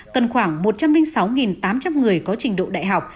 cần khoảng một trăm linh sáu tám trăm linh người có trình độ đại học